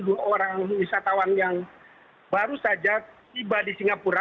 dua orang wisatawan yang baru saja tiba di singapura